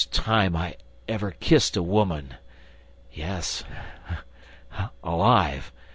time I ever kissed a woman ... Yes, alive